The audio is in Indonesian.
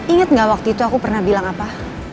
ingat gak waktu itu aku pernah bilang apa